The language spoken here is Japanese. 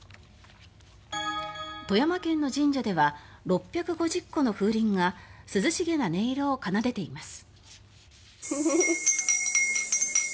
富山県の神社では６５０個の風鈴が涼しげな音色を奏でています。